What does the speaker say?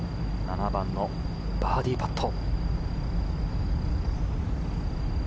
７番のバーディーパット。